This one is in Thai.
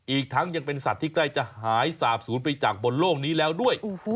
อีกทั้งยังเป็นสัตว์ที่ใกล้จะหายสาบศูนย์ไปจากบนโลกนี้แล้วด้วย